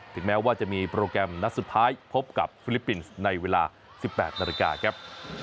แม้ว่าจะมีโปรแกรมนัดสุดท้ายพบกับฟิลิปปินส์ในเวลา๑๘นาฬิกาครับ